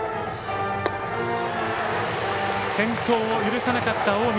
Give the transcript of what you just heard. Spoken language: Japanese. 先頭を許さなかった近江。